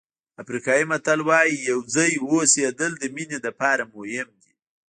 افریقایي متل وایي یو ځای اوسېدل د مینې لپاره مهم دي.